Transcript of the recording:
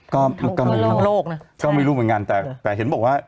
ก็ก็ไม่รู้โรคน่ะก็ไม่รู้เหมือนกันแต่แต่เห็นบอกว่า